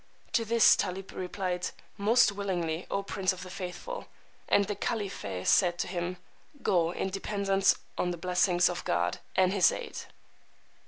To this Tálib replied, Most willingly, O Prince of the Faithful. And the Khaleefeh said to him, Go, in dependence on the blessing of God, and his aid....